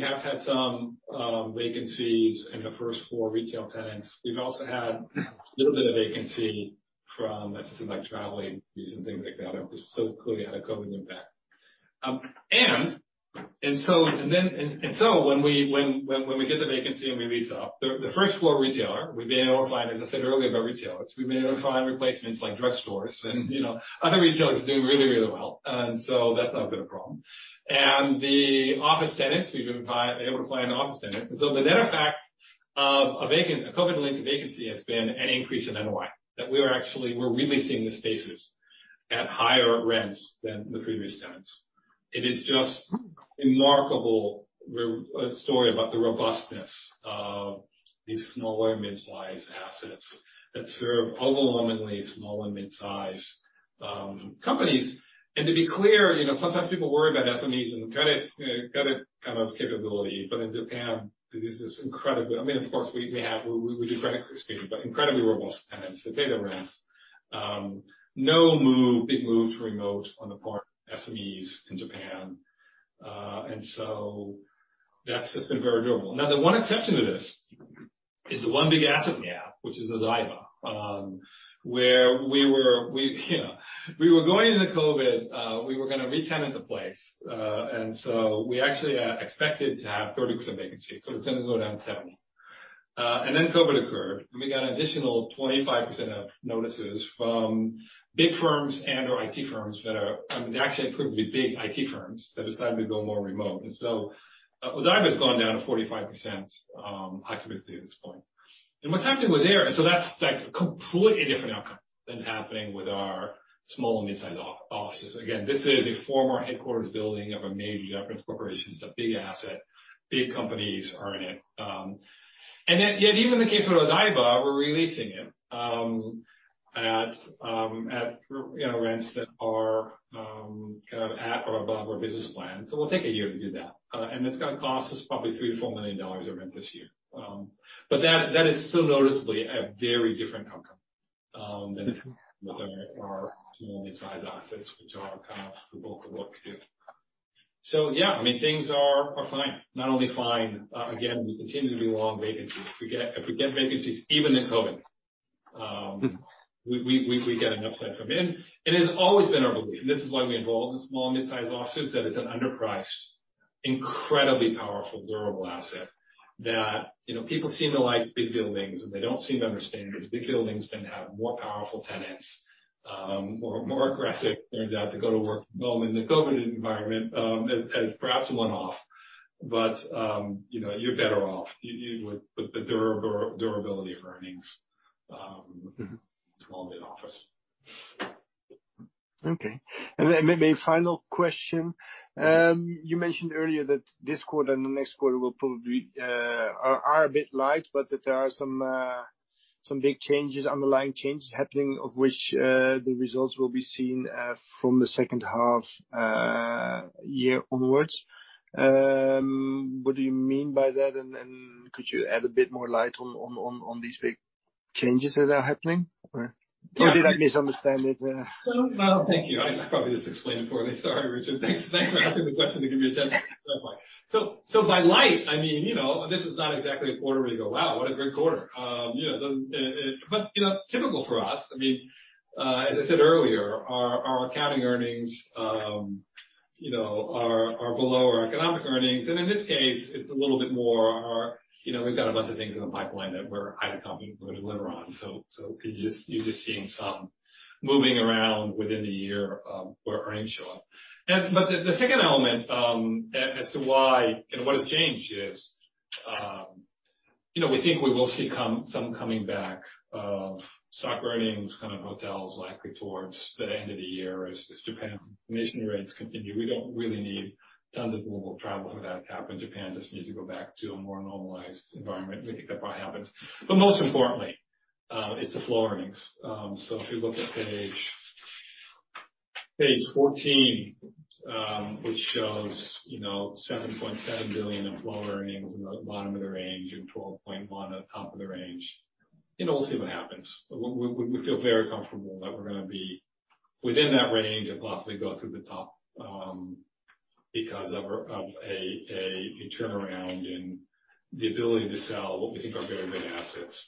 have had some vacancies in the first-floor retail tenants. We've also had a little bit of vacancy from less international travel, things like that. It was so clearly COVID and back. When we did the vacancy and we re-saw the first-floor retailer, we've been able to find, as I said earlier, about retail, so we've been able to find replacements like drugstores and other retailers doing really well. That's not been a problem. The office tenants, we've been able to find office tenants. The net effect of a COVID-linked vacancy has been an increase in NOI, that we're re-leasing the spaces at higher rents than the previous tenants. It is just remarkable, a story about the robustness of these small and medium-sized assets that serve overwhelmingly small and medium-sized companies. To be clear, sometimes people worry about SMEs and credit kind of capability. In Japan, this is incredible. Of course, we do credit risk management, but incredibly robust tenants that pay the rents. No big move to remote on the part of SMEs in Japan. That's just been very durable. Now, the one exception to this is the one big asset we have, which is Odaiba, where we were going into COVID, we were going to re-tenant the place. We actually expected to have 30% vacancy, so it was going to go down 70. COVID occurred, and we got an additional 25% notices from big firms and/or IT firms that actually proved to be big IT firms that decided to go more remote. Odaiba's gone down to 45% occupancy at this point. What's happening there, so that's a completely different outcome than is happening with our small and midsize offices. Again, this is a former headquarters building of a major Japanese corporation. It's a big asset. Big companies are in it. Yet, even in the case of Odaiba, we're re-leasing it at rents that are at or above our business plan. We'll take a year to do that. It's going to cost us probably JPY 3 million-JPY 4 million of rent this year. That is still noticeably a very different outcome than it is with our small and midsize assets, which are kind of the bulk of what we do. Yeah, things are fine. Not only fine, again, we continue to re-et vacancies. If we get vacancies, even in COVID, we get enough rent come in. It has always been our belief, and this is why we bought all of these small and midsize offices, that it's an underpriced, incredibly powerful durable asset that people seem to like big buildings, and they don't seem to understand that big buildings tend to have more powerful tenants who are more aggressive, turned out, to go to work. Moment in the COVID environment as perhaps a one-off, you're better off with the durability of earnings with small mid office. Okay. A final question. You mentioned earlier that this quarter and the next quarter are a bit light, but that there are some big changes, underlying changes happening, of which the results will be seen from the second half year onwards. What do you mean by that, and could you add a bit more light on these big changes that are happening? Did I misunderstand it? Thank you. I should probably just explain it for you. Sorry, Richard. Thanks for asking the question. Give you a chance to clarify. By light, this is not exactly a quarter to go, wow, what a great quarter. Typical for us. As I said earlier, our accounting earnings are below our economic earnings. In this case, it's a little bit more, we've got a bunch of things in the pipeline that we're either not going to deliver on. You're just seeing some moving around within the year where earnings show up. The second element as to why and what has changed is, we think we will see some coming back. Stock earnings kind of hotels likely towards the end of the year as interest rates continue, we don't really need tons of global travel to have that happen. Japan just needs to go back to a more normalized environment, and that probably happens. Most importantly, it's the floor earnings. If you look at page 14, which shows 7.7 billion in floor earnings in the bottom of the range and 12.1 billion at the top of the range. We'll see what happens. We feel very comfortable that we're going to be within that range and possibly go through the top because of a turnaround in the ability to sell what we think are very good assets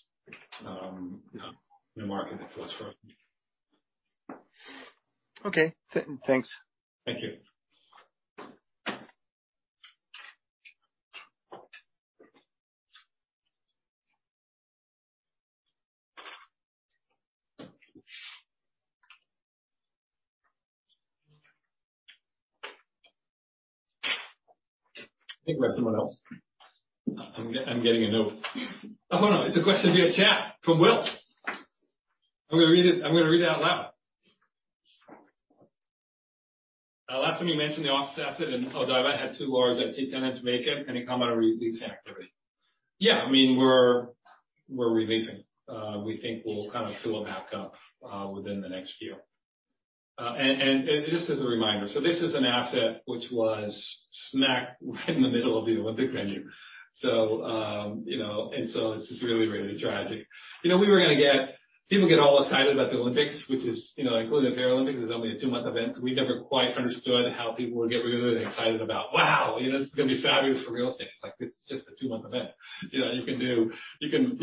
in a market that's less strong. Okay, thanks. Thank you. Think about someone else. I'm getting a note. Oh, no. It's a question via chat from Will. I'm going to read it out loud. Last time you mentioned the office asset in Odaiba had two large IT tenants vacant. Any comment on re-leasing effort? Yeah, we're re-leasing. We think we'll kind of fill it back up within the next year. Just as a reminder, this is an asset which was smack in the middle of the Olympics venue. It's just really tragic. People get all excited about the Olympics, which is, including the Paralympics, is only a two-month event, so we never quite understood how people were getting really excited about, wow, this is going to be fabulous for real estate. It's just a two-month event. You can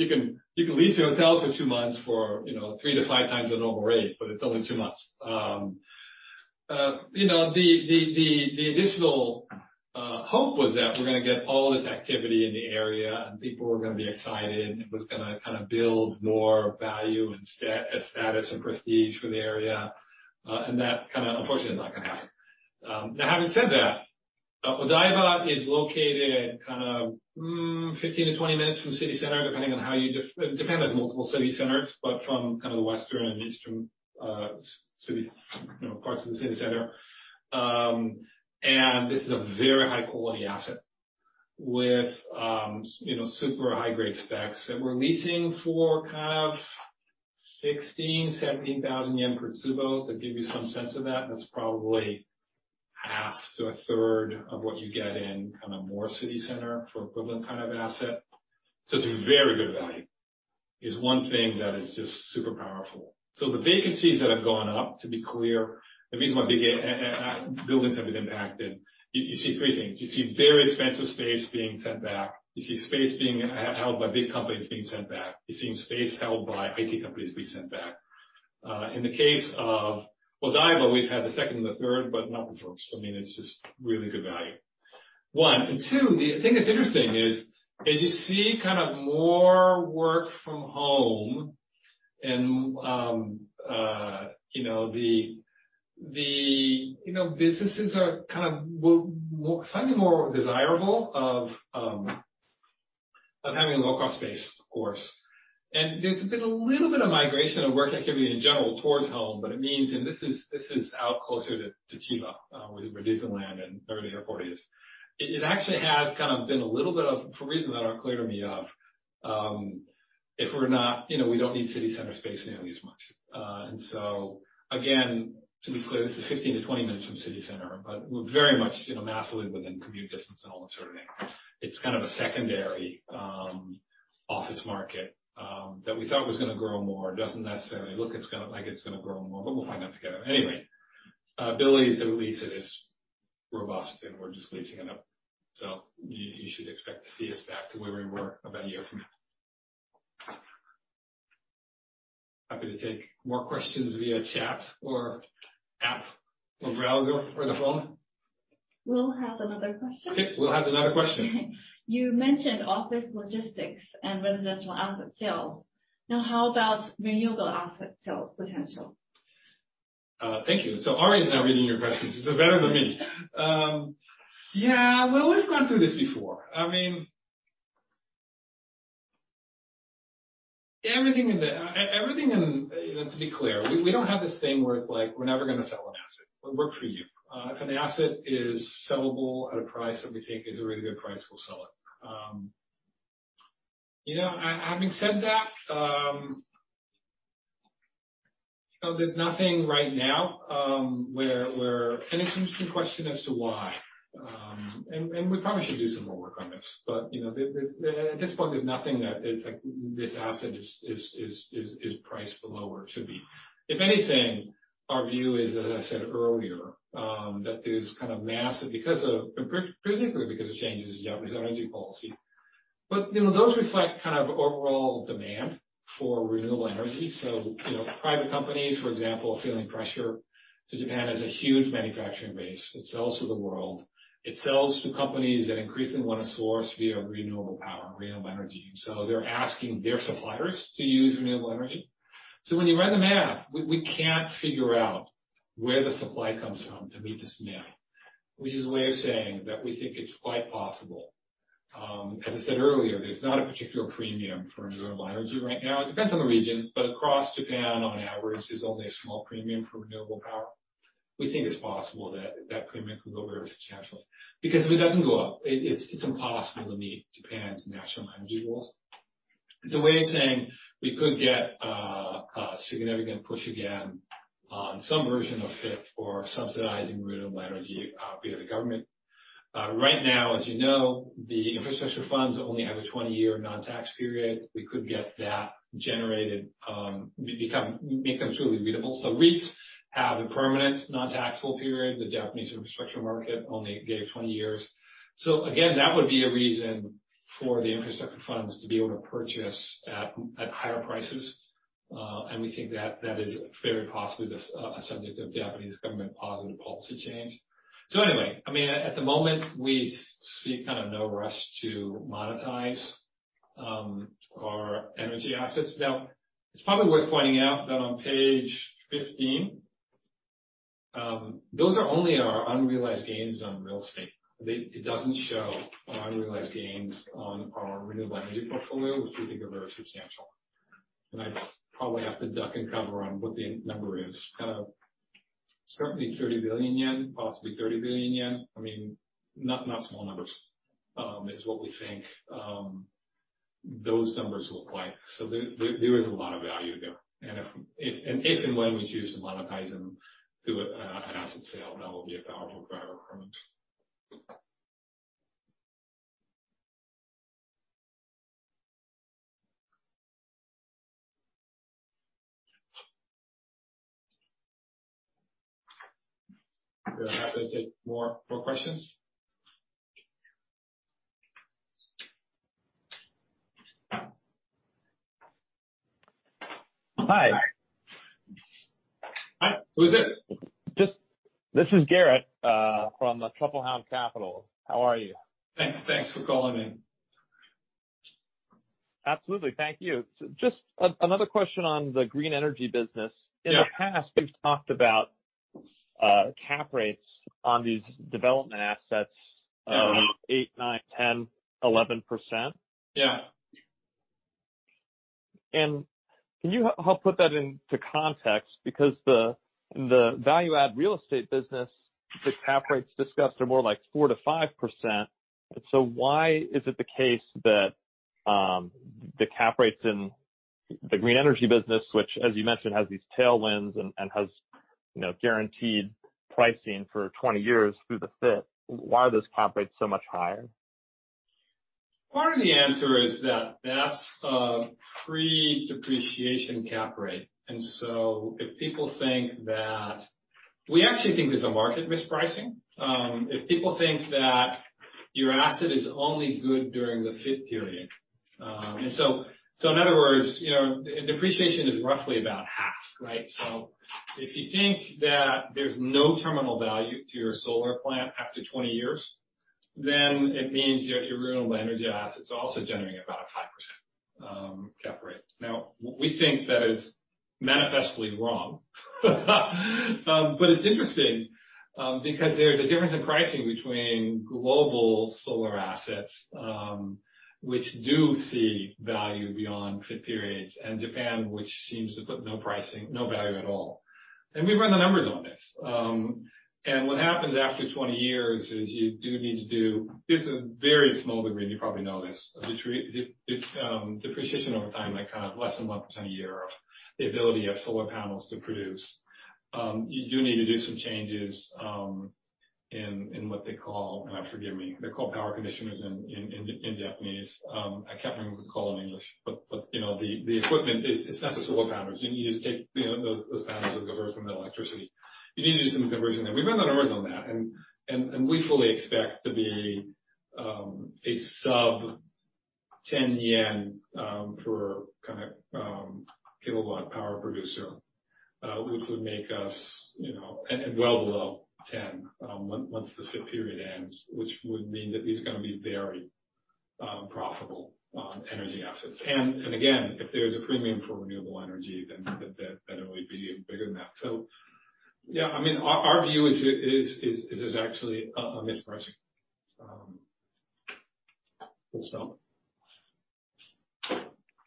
lease your hotels for two months for three to five times the normal rate, but it's only two months. The initial hope was that we're going to get all this activity in the area, and people were going to be excited, and it was going to kind of build more value and status and prestige for the area. That unfortunately is not going to happen. Now, having said that, Odaiba is located 15 to 20 minutes from the city center, depending on multiple city centers, but from western and eastern parts of the city center. This is a very high-quality asset with super high-grade specs that we're leasing for 16,000, 17,000 yen per tsubo. To give you some sense of that's probably half to a third of what you get in more city center for equivalent kind of asset. It's a very good value, is one thing that is just super powerful. The vacancies that have gone up, to be clear, the reason why big buildings have been impacted, you see three things. You see very expensive space being sent back. You see space held by big companies being sent back. You're seeing space held by IT companies being sent back. In the case of Odaiba, we've had the second and the third, but not the first. I mean, it's just really good value. One. Two, the thing that's interesting is as you see more work from home and the businesses will suddenly be more desirable of having local space, of course. There's been a little bit of migration of work activity in general towards home, but it means, and this is out closer to Chiba, where the Disneyland and third airport is. It actually has been a little bit of, for reasons that are clear to me of, if we don't need city center space, we don't use much. Again, to be clear, this is 15 to 20 minutes from city center, but we're very much massively within commute distance and all that sort of thing. It's a secondary office market that we thought was going to grow more. It doesn't necessarily look like it's going to grow more, we'll find out together. Ability to lease it is robust and we're just leasing it up. You should expect to see us back to where we ware about a year from now. Happy to take more questions via chat or app or browser or the phone. We'll have another question. Okay. We'll have another question. You mentioned office logistics and residential asset sales. Now how about renewable asset sales potential? Thank you. Ari is now reading your questions. This is better than me. Yeah. Well, we've gone through this before. To be clear, we don't have this thing where it's like we're never going to sell an asset. We work for you. If an asset is sellable at a price that we think is a really good price, we'll sell it. Having said that, there's nothing right now where there's any interesting question as to why. We probably should do some more work on this, but at this point there's nothing that this asset is priced below where it should be. If anything, our view is, as I said earlier, that there's massive, particularly because of changes in Japanese energy policy. Those reflect overall demand for renewable energy. Private companies, for example, are feeling pressure. Japan has a huge manufacturing base. It sells to the world. It sells to companies that increasingly want to source via renewable power, renewable energy. They're asking their suppliers to use renewable energy. When you run the math, we can't figure out where the supply comes from to meet this demand. Which is a way of saying that we think it's quite possible. As I said earlier, there's not a particular premium for renewable energy right now. It depends on the region, but across Japan, on average, there's only a small premium for renewable power. We think it's possible that that premium could go very substantially because if it doesn't go up, it's impossible to meet Japan's national energy goals. It's a way of saying we could get a significant push again on some version of FIT for subsidizing renewable energy via the government. Right now, as you know, the infrastructure funds only have a 20-year non-tax period. We could get that generated, becomes really renewable. REITs have a permanent non-taxable period. The Japanese infrastructure market only gave 20 years. Again, that would be a reason for the infrastructure funds to be able to purchase at higher prices. We think that is very possibly the subject of Japanese government positive policy change. Anyway, at the moment, we see no rush to monetize our energy assets. Now, it's probably worth pointing out that on page 15, those are only our unrealized gains on real estate. It doesn't show unrealized gains on our renewable energy portfolio, which we think are very substantial. I probably have to duck and cover on what the number is. Certainly, 30 billion yen, possibly 30 billion yen. Not small numbers is what we think those numbers look like. There is a lot of value there. If and when we choose to monetize them through an asset sale, that will be a valuable driver for them. We're happy to take more questions. Hi. Hi. Who's it? This is Garrett from Trouble House Capital. How are you? Thanks for calling in. Absolutely. Thank you. Just another question on the green energy business. Yeah. In the past, you've talked about cap rates on these development assets of 8%, 9%, 10%, 11%. Yeah. Can you help put that into context? In the value add real estate business, the cap rates discussed are more like 4%-5%. Why is it the case that the cap rates in the green energy business, which as you mentioned, has these tailwinds and has guaranteed pricing for 20 years through the FIT, why are those cap rates so much higher? Part of the answer is that's a pre-depreciation cap rate. We actually think there's a market mispricing. If people think that your asset is only good during the FIT period. In other words, depreciation is roughly about half, right? If you think that there's no terminal value to your solar plant after 20 years, then it means that your renewable energy asset is also generating about half cap rate. We think that is manifestly wrong. It's interesting because there's a difference in pricing between global solar assets, which do see value beyond FIT periods, and Japan, which seems to put no value at all. We run the numbers on this. What happens after 20 years is you do need to do, this is a very small degree, and you probably know this, but depreciation over time, less than 1% a year of the ability of solar panels to produce. You do need to do some changes in what they call, and forgive me, they're called power conditioners in Japanese. I can't remember what they're called in English, but the equipment, it's not the solar panels. You need to take those panels that convert them to electricity. You need to do some conversion. We run the numbers on that, and we fully expect to be a sub-10 JPY per kW power producer, which would make us well below 10 once the FIT period ends, which would mean that these are going to be very profitable energy assets. Again, if there's a premium for renewable energy, then it would be even bigger than that. Yeah, our view is it is actually a mispricing.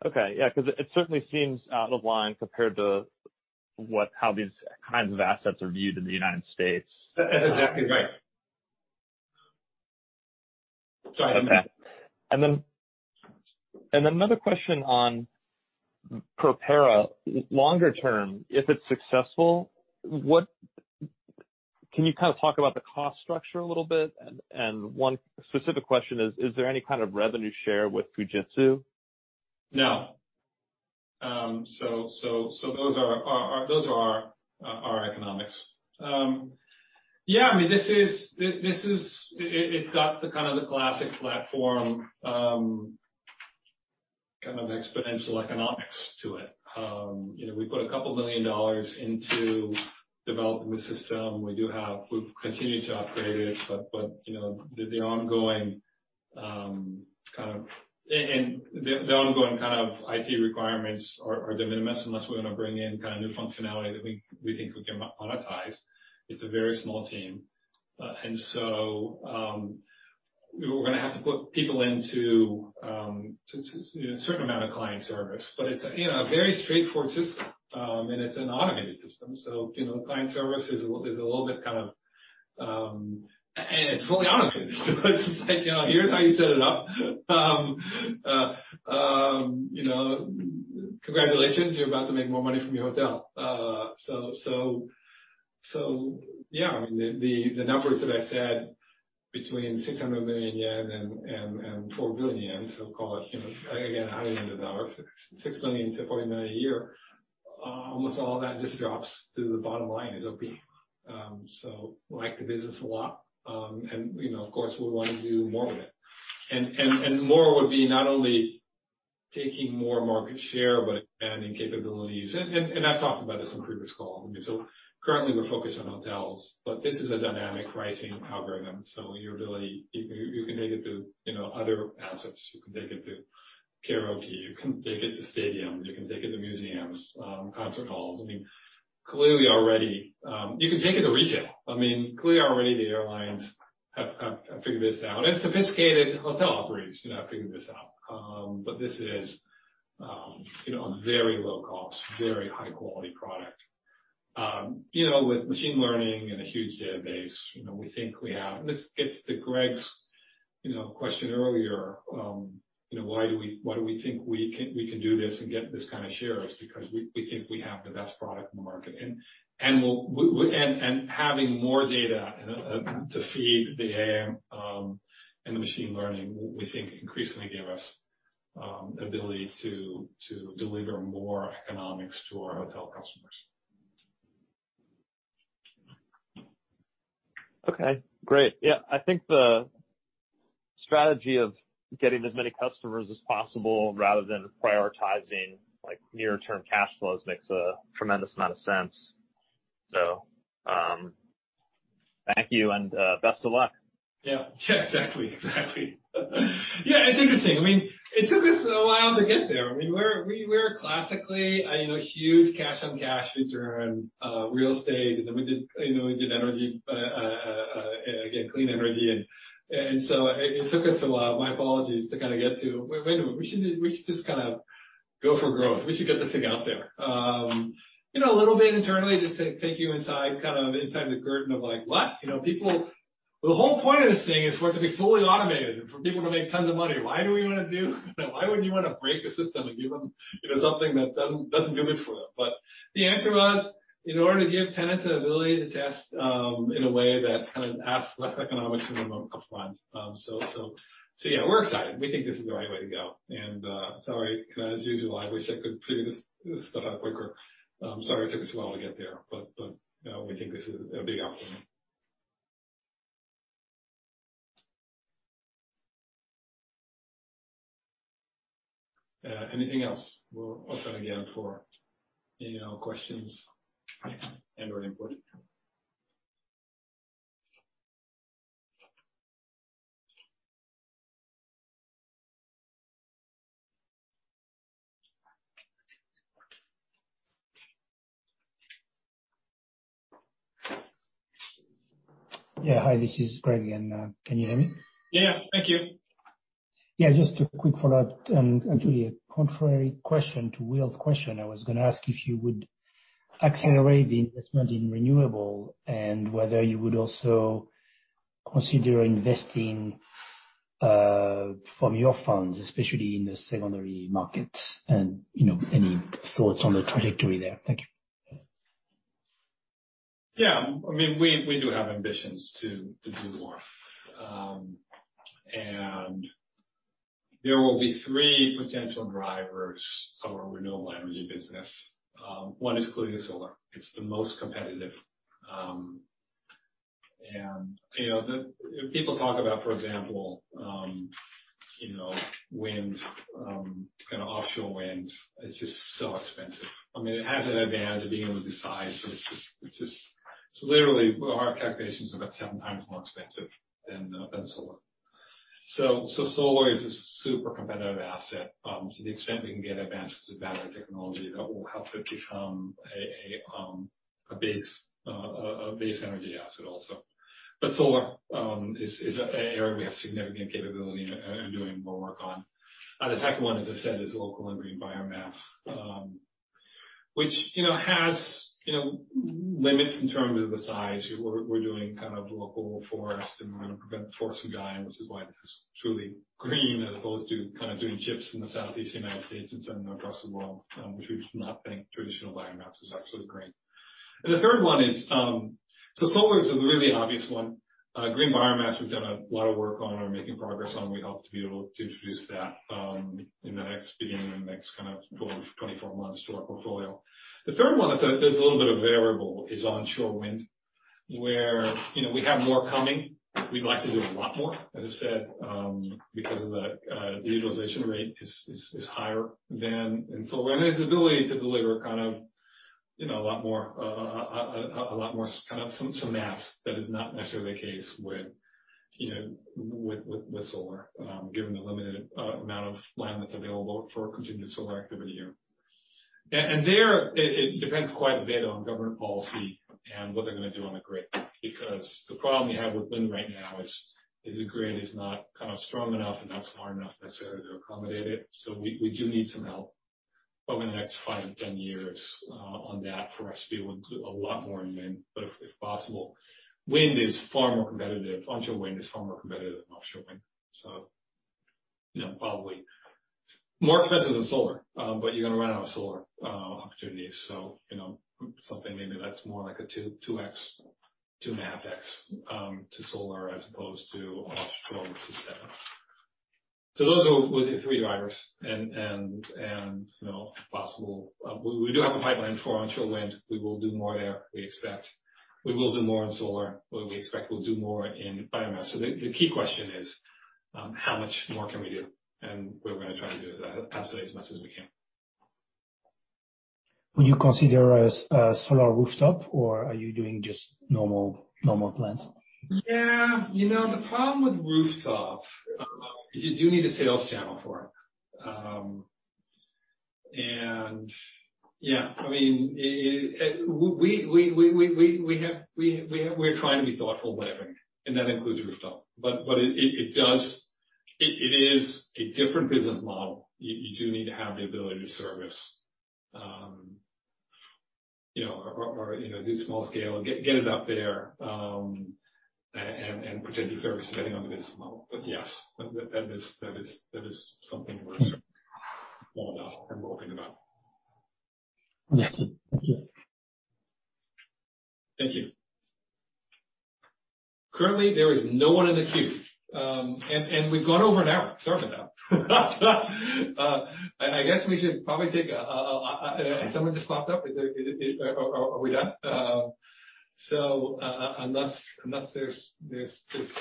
Okay. Yeah, because it certainly seems out of line compared to how these kinds of assets are viewed in the United States. Exactly right. Okay. Another question on PROPERA. Longer term, if it's successful, can you talk about the cost structure a little bit? One specific question is there any kind of revenue share with Fujitsu? No. Those are our economics. Yeah, it's got the classic platform, kind of exponential economics to it. We put $2 million into developing the system. We've continued to operate it, but the ongoing IT requirements are de minimis unless we want to bring in new functionality that we think we can monetize. It's a very small team. We're going to have to put people into a certain amount of client service, but it's a very straightforward system, and it's an automated system. Client service is a little bit. It's fully automated. It's just like, here's how you set it up. Congratulations, you're about to make more money from your hotel. Yeah, the numbers that I said between 600 million-4 billion yen, call it, again, out of U.S. dollars, $6 million-$49 million a year. Almost all of that just drops to the bottom line as a P. We like the business a lot. Of course, we want to do more of it. More would be not only taking more market share, but adding capabilities. I've talked about this on previous calls. Currently we're focused on hotels, but this is a dynamic pricing algorithm, so you can take it to other assets. You can take it to karaoke, you can take it to stadiums, you can take it to museums, concert halls. You can take it to retail. Clearly already the airlines have figured this out, and sophisticated hotel operators have figured this out. This is a very low cost, very high-quality product. With machine learning and a huge database, It's Greg's question earlier, why do we think we can do this and get this kind of share is because we think we have the best product in the market. Having more data to feed the AI and the machine learning, we think increasingly give us ability to deliver more economics to our hotel customers. Okay, great. Yeah, I think the strategy of getting as many customers as possible rather than prioritizing near-term cash flows makes a tremendous amount of sense. Thank you, and best of luck. Yeah. Exactly. Yeah, it's interesting. It took us a while to get there. We're classically a huge cash-on-cash return real estate, then we did energy, again, clean energy. It took us a while, my apologies, to kind of get to, wait a minute, we should just go for growth. We should get this thing out there. A little bit internally, just to take you inside the curtain of like, what? The whole point of this thing is for it to be fully automated and for people to make tons of money. Why would you want to break a system and give them something that doesn't do this for them? The answer was, in order to give tenants the ability to test in a way that kind of asks less economics in remote compliance. Yeah, we're excited. We think this is the right way to go, and sorry. As usual, I wish I could figure this stuff out quicker. I'm sorry it took us a while to get there, but we think this is a big opportunity. Anything else? We're open again for any questions and/or input. Yeah. Hi, this is Greg again. Can you hear me? Yeah. Thank you. Just a quick follow-up, and actually a contrary question to Will's question. I was going to ask if you would accelerate the investment in renewable, and whether you would also consider investing from your funds, especially in the secondary markets, and any thoughts on the trajectory there. Thank you Yeah. We do have ambitions to do more. There will be three potential drivers of our renewable energy business. One is clearly the solar. It's the most competitive. People talk about, for example, wind, kind of offshore wind. It's just so expensive. It has that advantage of being able to be sized, but it's just literally our calculations are about seven times more expensive than solar. Solar is a super competitive asset. To the extent we can get advances in battery technology that will help it become a base energy asset also. Solar is an area we have significant capability and doing more work on. The second one, as I said, is local and green biomass, which has limits in terms of the size. We're doing kind of local forest, and we're going to prevent forests in Gunma, which is why this is truly green as opposed to kind of doing chips in the Southeast United States and sending them across the world, which we do not think traditional biomass is absolutely green. Solar is a really obvious one. Green biomass, we've done a lot of work on and are making progress on. We hope to be able to introduce that in the beginning of the next kind of 12 to 24 months to our portfolio. The third one that's a little bit of a variable is onshore wind, where we have more coming. We'd like to do a lot more, as I said, because of the utilization rate is higher than wind. Wind has the ability to deliver kind of a lot more, kind of some mass. That is not necessarily the case with solar, given the limited amount of land that's available for continued solar activity here. There, it depends quite a bit on government policy and what they're going to do on the grid, because the problem you have with wind right now is the grid is not kind of strong enough and not smart enough necessarily to accommodate it. We do need some help over the next five to 10 years on that for us to be able to do a lot more in wind. If possible, wind is far more competitive, onshore wind is far more competitive than offshore wind. Probably more expensive than solar, but you're going to run out of solar opportunities. Something maybe that's more like a 2.0x-2.5x to solar as opposed to offshore, which is 7.0x. Those are the three drivers. We do have a pipeline for onshore wind. We will do more there, we expect. We will do more in solar. We expect we'll do more in biomass. The key question is how much more can we do? We're going to try to do absolutely as much as we can. Would you consider a solar rooftop, or are you doing just normal plants? Yeah. The problem with rooftop is you do need a sales channel for it. Yeah. We're trying to be thoughtful about everything, and that includes rooftop. It is a different business model. You do need to have the ability to service or do small scale and get it up there, and potentially service depending on the business model. Yes, that is something worth calling out and we're thinking about. Yes. Thank you. Thank you. Currently, there is no one in the queue. We've gone over an hour. Sorry about that. I guess we should probably take a... Someone just popped up. Are we done? Unless there's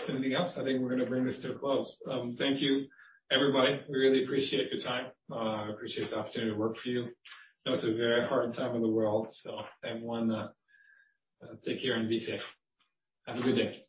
anything else, I think we're going to bring this to a close. Thank you, everybody. We really appreciate your time. I appreciate the opportunity to work for you. I know it's a very hard time in the world, so everyone take care and be safe. Have a good day.